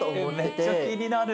めっちゃ気になる。